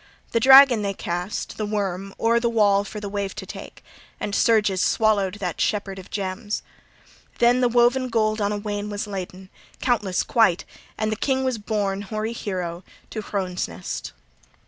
The dragon they cast, the worm, o'er the wall for the wave to take, and surges swallowed that shepherd of gems. Then the woven gold on a wain was laden countless quite! and the king was borne, hoary hero, to Hrones Ness.